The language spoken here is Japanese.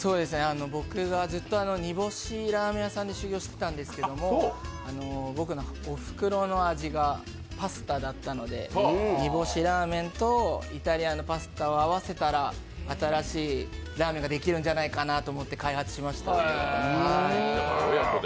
僕がずっと煮干しラーメン屋さんでアルバイトしてたんですけど、僕のおふくろの味がパスタだったので、煮干しラーメンとイタリアンのパスタを合わせたら新しいラーメンができるんじゃないかなと思って開発しました。